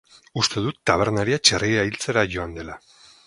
Uste dut tabernaria txerria hiltzera joan dela.